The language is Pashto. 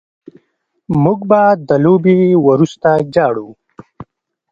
موږ به د لوبې وروسته ژاړو